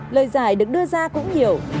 lời giải được đưa ra cũng nhiều